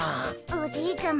おじいちゃま。